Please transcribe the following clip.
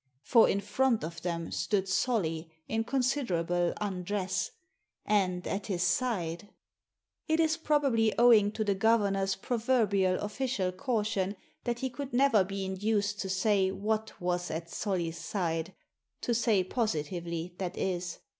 For in front of them stood Solly in considerable undress, and at his side Digitized by VjOOQIC THE PHOTOGRAPHS 59 It is probably owing to the governor's proverbial official caution that he could never be induced to say what was at Solly's side — to say positively, that is.